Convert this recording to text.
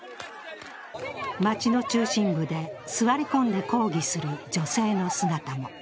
街の中心部で座り込んで抗議する女性の姿も。